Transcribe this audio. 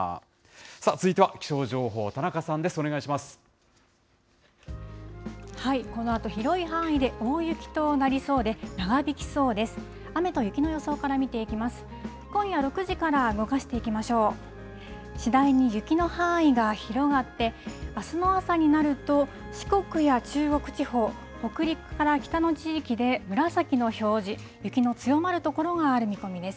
続いては気象情報、田中さんです、このあと、広い範囲で大雪となりそうで、長引きそうです。